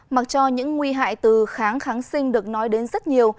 mặc cho những nguy hại từ kháng kháng sinh được nói đến rất nhiều